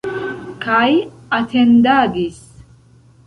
Kaj atendadis.